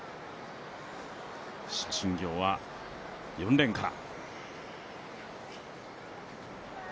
謝震業は４レーンから。